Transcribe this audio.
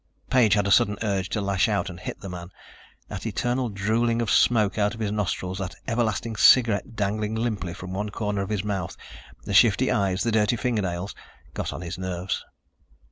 Page had a sudden urge to lash out and hit the man. That eternal drooling of smoke out of his nostrils, that everlasting cigarette dangling limply from one corner of his mouth, the shifty eyes, the dirty fingernails, got on his nerves.